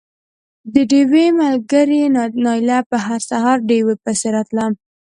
د ډېوې ملګرې نايله به هر سهار ډېوې پسې راتله